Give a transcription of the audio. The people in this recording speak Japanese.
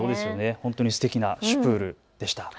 本当にすてきなシュプールでしたね。